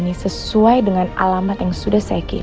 ya seseorang yakni aku tapi bisa kabar